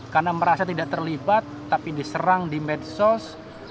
karena merasa tidak terlibat tapi diserang di medsos